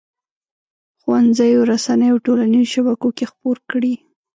ښوونځیو، رسنیو او ټولنیزو شبکو کې خپور کړي.